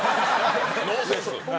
ノーセンス。